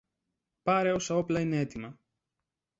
πάρε όσα όπλα είναι έτοιμα